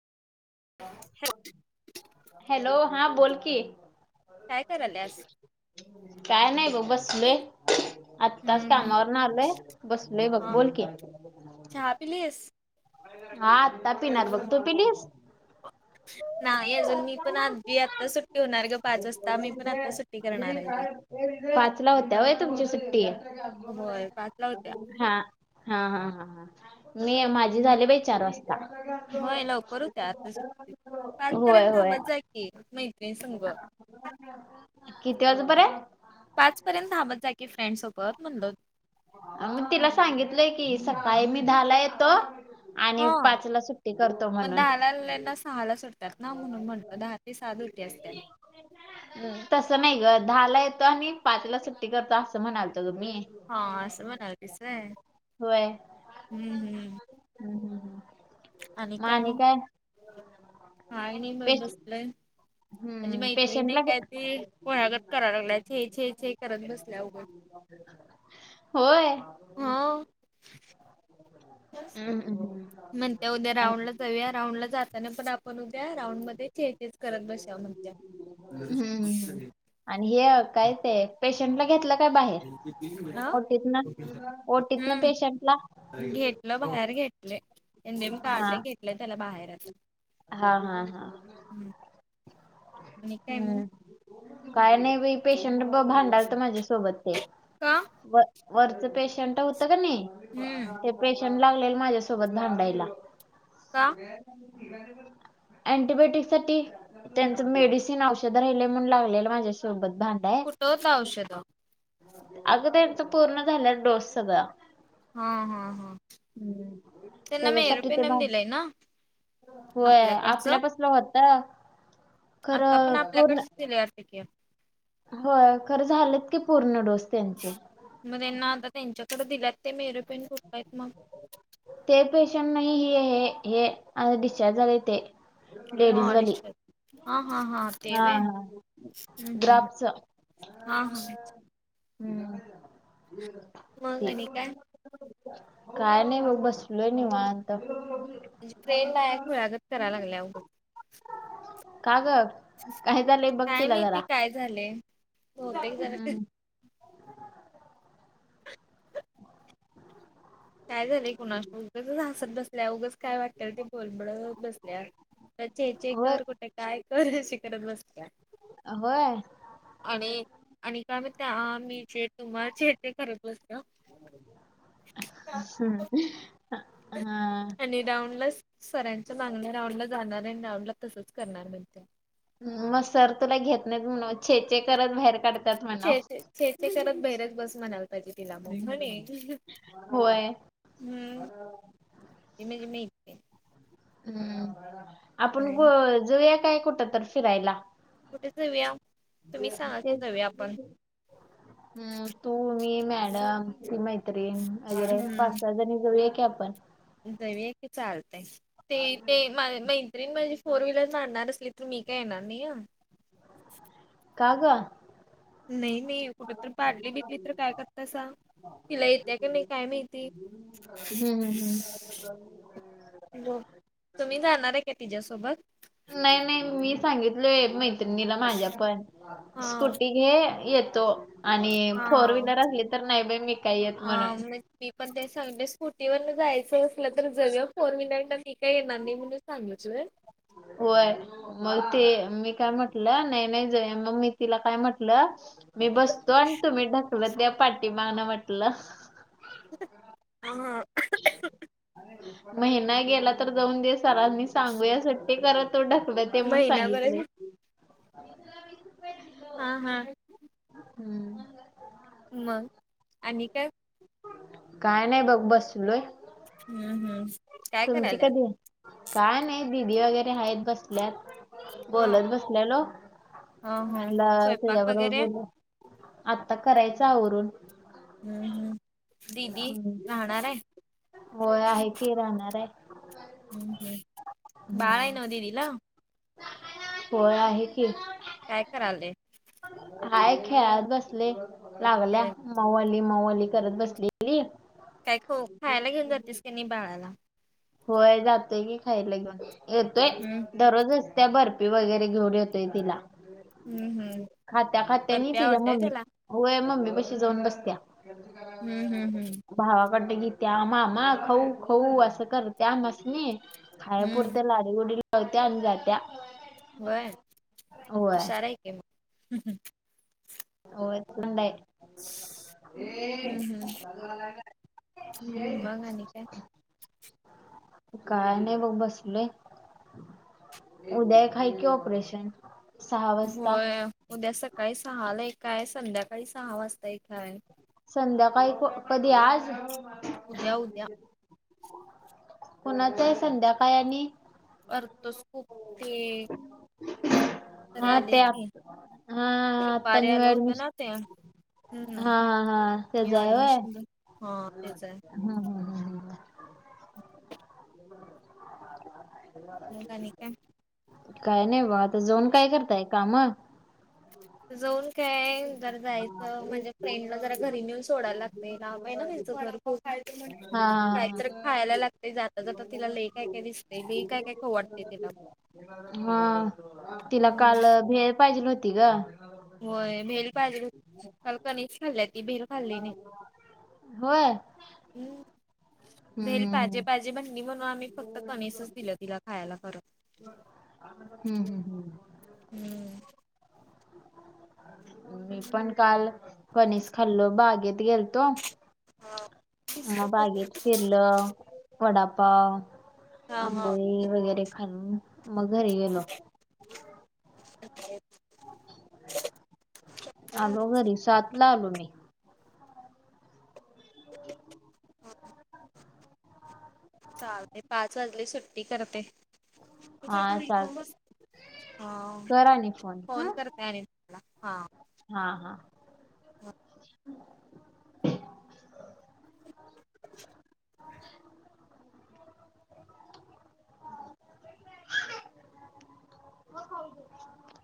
Hello, हां बोल की काय करायलास? काय नाही, बघ बस बघ ले, आत्ताच हम्म कामावर न आलय. बसलय बघ. हा बोल की चहा पिलीस? हाता पीणार बघ, तू पिलिस? नाही अजून मी पण आज [unintelligible] आता सुट ठेवणार ग, पाच वाजता. मी पण आता सुट्टी करणार आहे बघ पाचला होत्या होय तुमची सुट्टी? होय पाचला होत्या हा हा हा हा हा मी माझी झाली बाई चार वाजता होय लवकर होत्या आत्ता सुट्टी [unintelligible] पाच होय पर्यंत होय थांबात जा की मैत्रिणी संग किती वाजूपर्यंत पाचपर्यंत थांबत जा की फ्रेंड सोबत म्हणलो मी तिला सांगितलंय की सकाळी मी दहाला येतो आणि हा. पाच ला सुट्टी करतो मग म्हणून दहाला आलेल्यांना सहाला सुटतात ना म्हणून म्हणत दहा ते सात डूटी असते तसं नाही ग दहाला येतो आणि पाचला सुट्टी करतो असं म्हणालतो ग मी हा असं म्हणालीस होय हम्म हम्म हम हम मग आणि काय हा नाही बघ पेश बसलंय. माझी हम्म मैत्री पेशंटला एक हाय ती खुळ्यागत करालागल्या छे छे करत बसल्या उगच होय हो ओ हम्म हम्म म्हणत्या उद्या आणि राऊंड ला जाऊया राऊंड ला जाताना पण आपन पण उद्या राऊंड मध्ये चायनीज करत बसुया [unintelligible] म्हण हम्म, हम्म, हम्म. आणि हे काय ते पेशंटला घेतल ह ओटीतनं पेशंटला हम्म घेतलं ग बाहेर घेतल नेम हा काढलं घेतलंय त्याला बाहेर आता हा हा हा हम्म आणि काय मग? हम्म काय नाही बाई पेशंट भा भांडालत ते माझ्यासोबत का? व वरचं पेशंट होत हम्म कने पेशंट लागलेल माझ्यासोबत भांडायला का अंटीबाटिक साठी त्यांच मेडिसिन औषध राहिलंय म्हणून लागेल माझ्यासोबत भा कुठं होतं औषध? अग त्याचं पूर्ण झाल्यात डोस सगळा हा हा हा त्यांना त्याच्यासाठी ते मेरोपेंनम भा दिलाय ना होय आपल्याकडचं आपल्या पसला होत आता पण खरं पूर्ण आपल्याकडच दिलेय वाटत की होय खरं झालंत की पूर्ण डोस त्यांचे मग त्यांना आता त्यांच्याकडे दिल्यात. ते मेहर पेन कुठे आहेत मग ते पेशंट नाही हे हे अ डिस्चार्ज झालंय ते. हा लेडीज वाली डिस्चार्ज हा हा हा तेवे हम्म हम्म हम्म. ग्राफच हा हा. हम्म. मग ते आणि काय? काय नाही बघ बसलोय निवांत. फ्रेंड आहे. खुळागात कराय लागल्या आव. का ग. काय झाले काय बघतीला जरा माहिती काय झालंय? बहुतेक जण हम्म. काय झालंय कुणास ठाऊक उगाचच हासत बस ल्या उगाच काय वाटतल ते बोल बळत बसल्या चेचे होय कर कुठे काय कर शिकळत बसत्या. अ होय. आणि आणि काय माहेर काय मी चे तुम्हा चे ते करेत बसल्यो. ह हा. आणि राऊंड ला. सरांच्या मागण राऊंड ला जाणारे. आण राऊंड ला तसंच करणार म्हणत्या. मग सर तुला घेत नाही म्हणन. छे छे करत बाहेर काढत छे, छे छे करत बहिरच बस म्हणायला पाहिजे तिला. मगणे होय हम्म. इमेज मिळते. हम्म. आपण काय जाऊया काय कुठं तर फिरायला. कुठे जाऊया तुम्ही सांगा [unintelligible] तेच जाऊया आपण. हम्म तू मी मॅडमी मैत्रीण वगैरे हम्म पाच सहा जणी जाऊया की आपण. जाऊया की चालतय. ते ते म मइ त म्हणजे फोर व्हीलर मारणार असली तर. मी काय येणार नाही अ. काग. नाही नाही. कुठ तर पाडली बिडली तर काय करतासा. तिला येत्या की नाही काय माहिती. हम्म हम्म. म तुम्ही जाणारे का तिच्या्सोबत. नाही नाही मी सांगितलय मैत्रिणीला माझ्या पण. हा स्कुटी हे येतो. आणि फोर हा. व्हीलर असली तर, नाही बाई, मी काही येत हा म्हणून. मग मी पण ते सांगते स्कूटीवरन जायचं असलं तर जगळ फोर व्हीलर न मी काय येणार नाही म्हणून सांगितलंय. होय. मग ते मी काय म्हटलं. नाही नाही जा. मग मी तिला काय म्हटलं. मी बसतो. आण तुम्ही ढकलत या. पाठी मागण म्हटलं. हा. [unintelligible] महिना गेला तर जाऊन दे. सरांनी सांगूया सुट्टी करा तो ढकलत. ते म्हणून महिनाभराच सांगितलेय. हा हा. हम्म. मग. आणि काय? काय नाही बघ बसलोय. हम् हम्म. काय तुमची करायल्यात कधीये काय नाही दिदी वगैरे आहेत. बसल्यात. हा बोलत बस लेलो हा हा म्हटल स्वयंपाक तुजा बरोबर वगैरे बोलु. आता करायचं आवरून. हम्म हम्म दीदी हम्म. राहणार आहे. राहणारे. हम्म हम्म. बाळ आहे ना ओ दीदी ला. व्हय आहे की. काय करालेय. हाय खेळत बसले लागल्या खेळत मवाली मवाली करत बसली. [unintelligible] काय ख खायला घेऊन जातीस का नाही बाळाला? होय जातय की खायला घेऊन येतोय. हम्म दररोज असत्या बर्फी वगैरे घेऊन येतोय तिला. हम्म हम्म खात्या खात्या नि बर्फी तिच्या आवडतय मम्मी त्याला होय मम्मी बशी जाऊन बसत्या. हम्म हम् हम्. भावाकडत गीत्या मामा खाऊ खाऊ असं करत्या अमासणी हम्म खायपुरत्या लाडी गुडी लावत्या आणि जात्या. होय होय हुशार हाय की मग हम होय हम्म [unintelligible] मग आणि काय हम काय नाही बघ बसले. उद्या एक हाय की ऑपरेशन. सहा वाजता होय उद्या सकाळी सहा ला एककाय संध्याकाळी सहा वाजता एककाय. संध्याकाळी क कधी आज. उद्या उद्या. कोणाच आहे संध्याकाळ आणि करतोस खूप ते. खरे हा आले ते की आत- हा हा, आता बारे न्यू आलं होतं ऍडमिशन ना ते. हम्म हा हा हा म त्याचा ऍडमिशन हा तेच आहे. हा हा. [inaudible] मग आणि काय? काय नाही बा आता जाऊन काय करताय काम. जाऊन काय जर जायचं म्हणजे फ्रेंडला जरा घरी नेऊन सोडायला लागते ला बाई ना त्यांचं घर. खूप हा. काहीतरी खायला लागते जाता जाता तिला लई काय काय दिसते लई काय काय खाऊ वाटते तिला हा तिला हम्म काल भे पाहिजेव्हती. तिक. होय बेल पाजलकनी खाल्ली ती बेल. होय. हम्म भेल पाजे हम्म पाजे. माझी बणी म्हणून आम्ही फक्त कशच दिलं तिला खायला करत. हम्म हम् हम्म. हम्म. मी पण काल कनीस खाल्लो बागेत गेलतो. मग बागेत फिरलं वडापाव हा हा आंबोळी वगैरे खाल् मग घरी गेलो. अ आलो घरी सातला आलो मी. हा [inaudible] चालते पाच वाजली सुट्टी करते. हा री चालतंय हा कर आणि फोन हम्म करते आणि तुम्हाला हा हा हा. [inaudible] [inaudible]